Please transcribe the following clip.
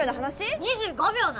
２５秒な！